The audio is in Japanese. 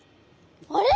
あれ？